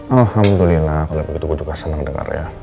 alhamdulillah kalau begitu gue juga seneng dengar ya